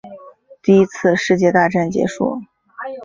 第一次世界大战结束